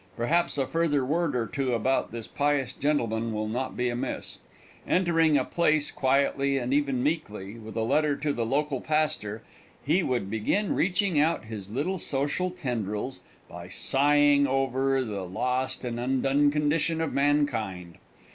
Perhaps a further word or two about this pious gentleman will not be amiss. Entering a place quietly and even meekly, with a letter to the local pastor, he would begin reaching out his little social tendrils by sighing over the lost and undone condition of mankind.